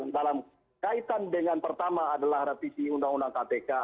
dalam kaitan dengan pertama adalah revisi undang undang kpk